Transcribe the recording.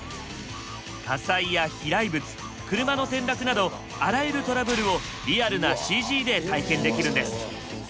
火災や飛来物車の転落などあらゆるトラブルをリアルなＣＧで体験できるんです。